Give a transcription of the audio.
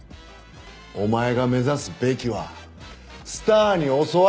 お前が目指すべきはスターに襲われたら日本一。